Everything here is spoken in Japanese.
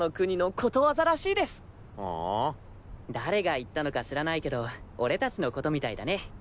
誰が言ったのか知らないけど俺達のことみたいだね。